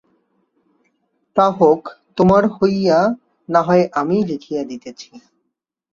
তা হোক, তোমার হইয়া না-হয় আমিই লিখিয়া দিতেছি।